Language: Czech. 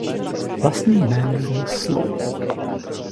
Vlastním jménem byl Sloup.